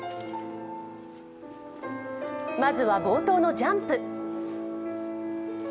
まずは冒頭のジャンプ。